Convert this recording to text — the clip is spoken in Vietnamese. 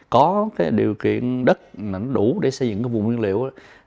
có cái điều kiện đất đủ để xây dựng cái vùng nguyên liệu đó